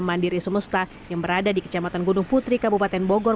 mandiri semesta yang berada di kecamatan gunung putri kabupaten bogor